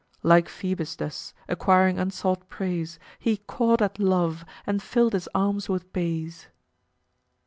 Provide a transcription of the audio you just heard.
Like Phoebus thus, acquiring unsought praise, He caught at love and filled his arms with bays."